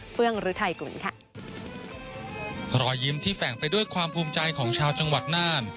เฟื้องฤทัยกุลค่ะรอยยิ้มที่แฝงไปด้วยความภูมิใจของชาวจังหวัดน่าน